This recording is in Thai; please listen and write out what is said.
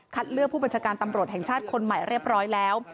เลือกผู้บัญชาการตำรวจแห่งชาติคนใหม่เรียบร้อยแล้ว